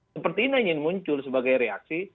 seperti ini ingin muncul sebagai reaksi